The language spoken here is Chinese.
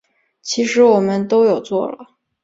其实我们都有做了